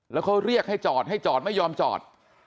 แล้วเขาเรียกให้จอดให้จอดไม่ยอมจอด